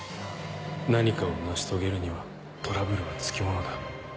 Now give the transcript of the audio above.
何かを成し遂げるにはトラブルは付きものだ。